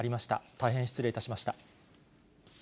大変失礼いたしました。